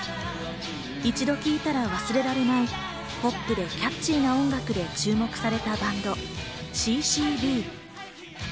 一度聴いたら忘れられないポップでキャッチーな音楽で注目されたバンド、Ｃ−Ｃ−Ｂ。